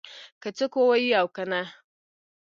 که څوک ووایي او کنه